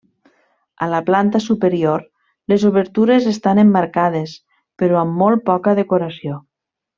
A la planta superior les obertures estan emmarcades però amb molt poca decoració.